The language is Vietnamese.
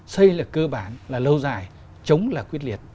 xây là cơ bản là lâu dài chống là quyết liệt